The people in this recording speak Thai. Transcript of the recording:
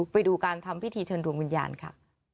ไปดูการทำพิธีเชิญดวงวิญญาณค่ะ